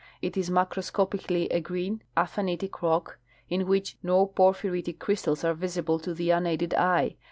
It is macroscopically a green aphanitic rock in which no por phyritic crystals are visible to the unaided eye.